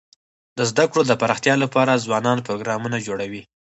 د زده کړو د پراختیا لپاره ځوانان پروګرامونه جوړوي.